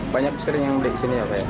banyak sering yang beli di sini ya pak